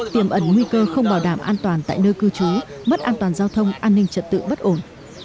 tiềm ẩn nguy cơ không bảo đảm an toàn tại nơi cư trú mất an toàn giao thông an ninh trật tự bất ổn